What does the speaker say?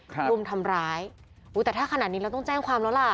รุมทำร้ายอุ้ยแต่ถ้าขนาดนี้เราต้องแจ้งความแล้วล่ะ